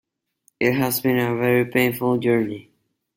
It has been a very painful journey.